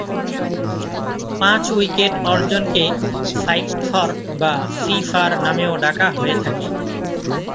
পাঁচ-উইকেট অর্জনকে ‘five-for’ বা ‘ফিফার’ নামেও ডাকা হয়ে থাকে।